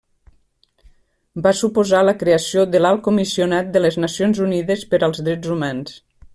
Va suposar la creació de l'Alt Comissionat de les Nacions Unides per als Drets Humans.